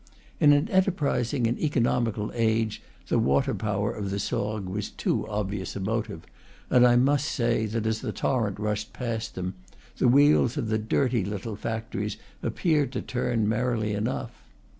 In an enterprising and economical age the water power of the Sorgues was too obvious a motive; and I must say that, as the torrent rushed past them, the wheels of the dirty little factories appeared to turn merrily enough.